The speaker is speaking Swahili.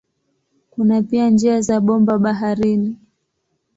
Kuna pia njia za bomba baharini.